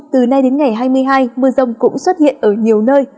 từ nay đến ngày hai mươi hai mưa rông cũng xuất hiện ở nhiều nơi